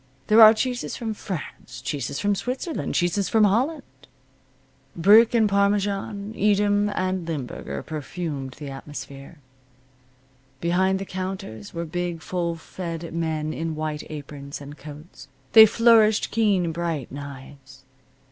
There are cheeses from France, cheeses from Switzerland, cheeses from Holland. Brick and parmesan, Edam and limburger perfumed the atmosphere. Behind the counters were big, full fed men in white aprons, and coats. They flourished keen bright knives.